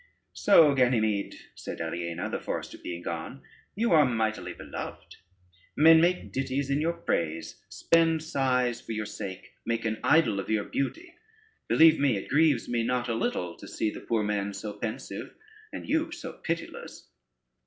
"So Ganymede," said Aliena, the forester being gone, "you are mightily beloved; men make ditties in your praise, spend sighs for your sake, make an idol of your beauty. Believe me, it grieves me not a little to see the poor man so pensive, and you so pitiless."